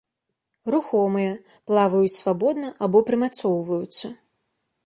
Рухомыя, плаваюць свабодна або прымацоўваюцца.